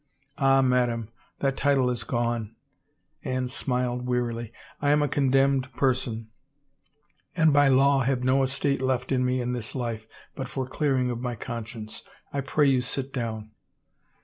" Ah, madame, that title is gone," Anne smiled wearily. " I am a condemned person and by law have no estate left me in this life but for clearing of my conscience. I pray you sit down."